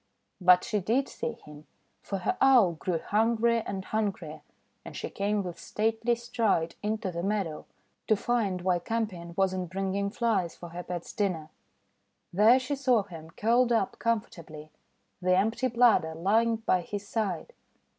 But she did see him. For her Owl grew hungrier and hungrier, and she came with stately stride into the meadow, to find why Campion was not bringing Flies for her pet's dinner. There she saw him curled up comfortably, the empty bladder lying by his side.